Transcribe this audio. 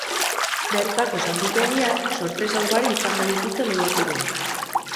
Bertako santutegian, sorpresa ugari izango dituzte lehiakideek.